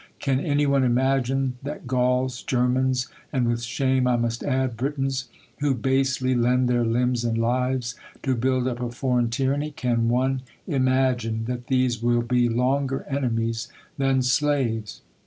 Can any one imagine, that Gauls, Gei mans, and with shame I must add, Britons, who basely lend their limbs and lives, to build up a foreign tyranny ; can one im agine that these will be longer enemies than slaves